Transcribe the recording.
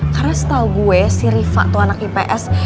karena setelah gue si riva tuh anak ips